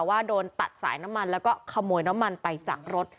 ว่าโดนตัดสายน้ำมันแล้วก็ขโมยน้ำมันไปจากรถ